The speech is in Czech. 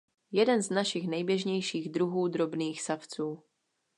Jeden z našich nejběžnějších druhů drobných savců.